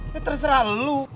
ya terserah lo